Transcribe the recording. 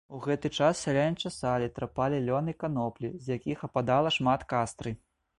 У гэты час сяляне часалі, трапалі лён і каноплі, з якіх ападала шмат кастры.